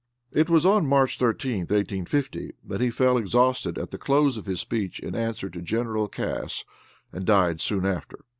It was on March 13th, 1850, that he fell exhausted at the close of his speech in answer to General Cass, and died soon after.